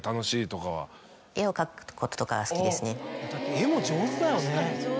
絵も上手だよね。